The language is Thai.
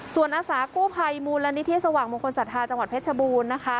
ส่วนอาสากู้ภัยมูลนิธิสว่างมงคลศรัทธาจังหวัดเพชรบูรณ์นะคะ